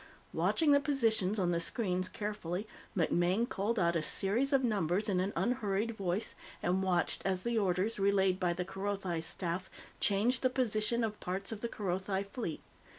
Watching the positions on the screens carefully, MacMaine called out a series of numbers in an unhurried voice and watched as the orders, relayed by the Kerothi staff, changed the position of parts of the Kerothi fleet.